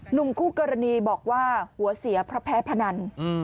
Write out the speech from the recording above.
หนุ่มคู่กรณีบอกว่าหัวเสียเพราะแพ้พนัน